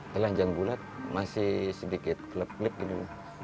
telanjang bulat masih sedikit klip klep gitu